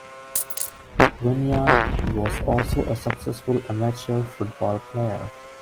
Wynyard was also a successful amateur football player.